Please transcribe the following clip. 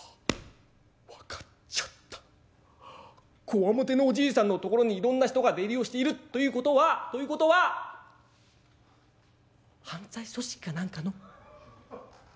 こわもてのおじいさんのところにいろんな人が出入りをしているということはということは犯罪組織か何かの親分なんじゃないの？」。